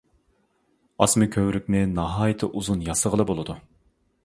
ئاسما كۆۋرۈكنى ناھايىتى ئۇزۇن ياسىغىلى بولىدۇ.